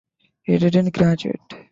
He didn't graduate.